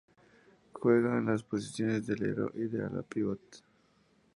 Juega en las posiciones de alero y de ala-pívot.